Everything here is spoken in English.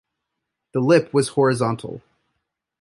The lip was horizontal.